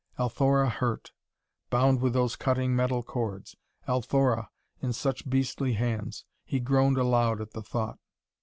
Althora hurt! Bound with those cutting metal cords! Althora in such beastly hands! He groaned aloud at the thought.